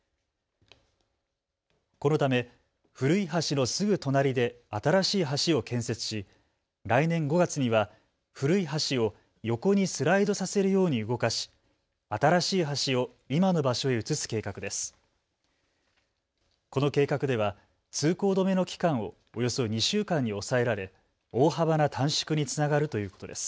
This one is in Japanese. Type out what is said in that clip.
このため古い橋のすぐ隣で新しい橋を建設し来年５月には古い橋を横にスライドさせるように動かし新しい橋を今の場所へ移す計画です。